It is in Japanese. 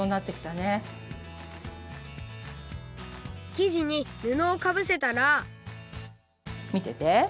生地にぬのをかぶせたらみてて。